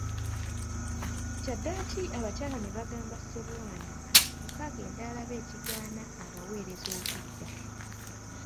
Kyaddaaki Abakyala ne bagamba Ssebwana asituke agende alabe ekigaana abaweereza okudda.